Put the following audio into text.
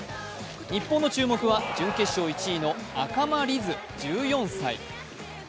日本の注目は準決勝１位の赤間凛音１４歳。